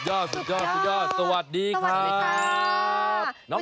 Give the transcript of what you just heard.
เยี่ยมจริง